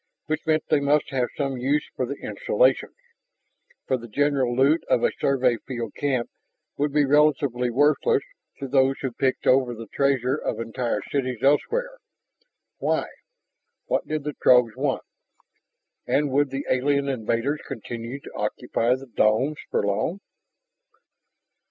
Which meant they must have some use for the installations. For the general loot of a Survey field camp would be relatively worthless to those who picked over the treasure of entire cities elsewhere. Why? What did the Throgs want? And would the alien invaders continue to occupy the domes for long?